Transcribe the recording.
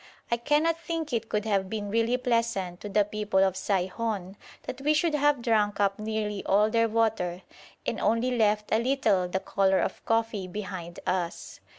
I cannot think it could have been really pleasant to the people of Saihon that we should have drunk up nearly all their water, and only left a little the colour of coffee behind us.